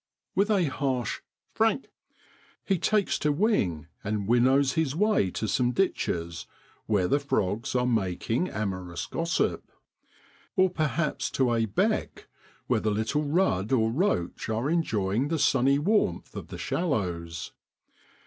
With a harsh ' Frank I ' he takes to wing and winnows his way to some ditches where the frogs are making amorous HERONS AT HOME. APRIL IN BROADLAND. 41 gossip, or perhaps to a ' beck 'where the little rudd or roach are enjoying the sunny warmth of the shallows.